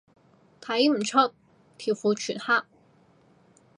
睇唔出，條褲全黑